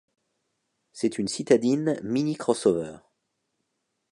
C'est une citadine mini-crossover.